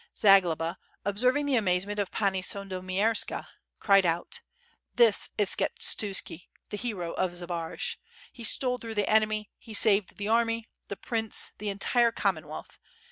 Zagloba, observing the amazement of Pani Sandomierska cried out: "This is Skshetuski, the hero of Zbaraj. He stole through the enemy, he saved the army, the prince, the entire Com monwealth.